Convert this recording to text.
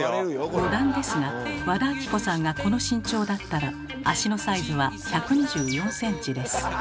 余談ですが和田アキ子さんがこの身長だったら足のサイズは１２４ｃｍです。